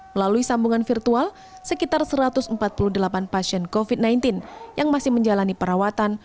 melalui sambungan virtual sekitar satu ratus empat puluh delapan pasien covid sembilan belas yang masih menjalani perawatan